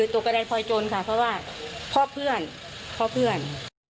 ตกกระดายพลอยจนค่ะเพราะว่าพ่อเพื่อนพ่อเพื่อน